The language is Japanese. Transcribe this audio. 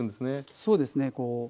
そうですね。